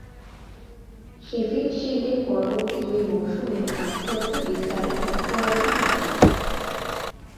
Sheffield শিল্ডের পরবর্তী দুই মৌসুমেও আধিপত্য বিস্তারে তৎপরতা দেখান।